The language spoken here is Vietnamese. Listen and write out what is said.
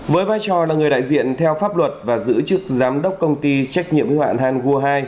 với vai trò là người đại diện theo pháp luật và giữ chức giám đốc công ty trách nhiệm ưu ạn hangua hai